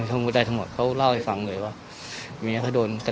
มีทำพวกได้ทั้งหมดเขาเล่าให้ฟังเลยว่าเมียเขาโดนก็ทำ